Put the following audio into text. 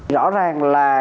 rõ ràng là